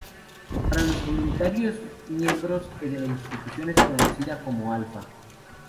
Para los voluntarios miembros de la Institución es conocida como Alfa.